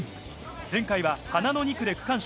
前回は花の２区で区間賞。